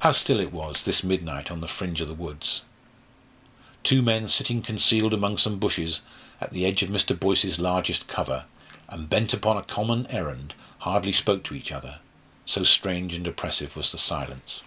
How still it was this midnight on the fringe of the woods! Two men sitting concealed among some bushes at the edge of Mr. Boyce's largest cover, and bent upon a common errand, hardly spoke to each other, so strange and oppressive was the silence.